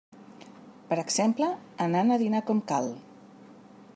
Per exemple, anant a dinar com cal.